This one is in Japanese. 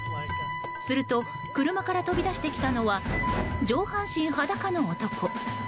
すると車から飛び出してきたのは上半身裸の男。